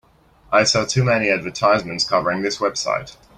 I saw too many advertisements covering this website.